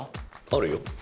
あるよ